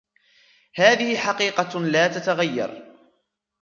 .هذه حقيقة لا تتغير